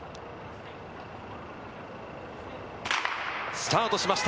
スタートしました！